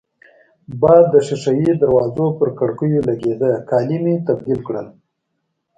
باد د شېشه يي دروازو پر کړکېو لګېده، کالي مې تبدیل کړل.